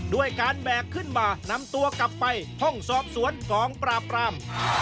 ด้วยการแบกขึ้นมานำตัวกลับไปห้องสอบสวนกองปราบราม